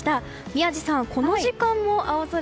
宮司さん、この時間も青空。